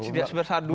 sudah sebesar dulu